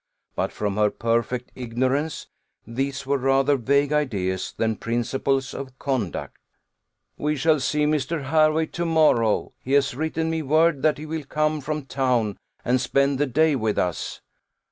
but from her perfect ignorance, these were rather vague ideas than principles of conduct. "We shall see Mr. Hervey to morrow; he has written me word that he will come from town, and spend the day with us."